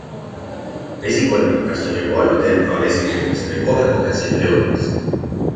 Esikolmik, kas on juba olnud MK-l esikümnes või kohe-kohe sinna jõudmas.